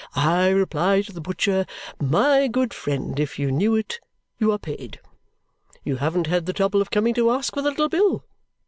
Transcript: I reply to the butcher, 'My good friend, if you knew it, you are paid. You haven't had the trouble of coming to ask for the little bill.